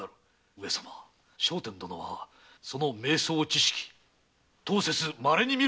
上様聖天殿はその名僧知識当節まれにみる俊才。